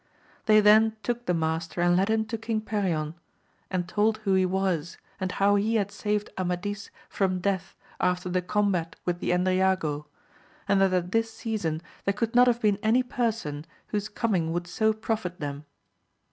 They then took the master and led him to King Perion, and told who he was, and how he had saved Amadis from death after the combat with the Endriago, and that at this season there could not have been any person whose coming would so profit them.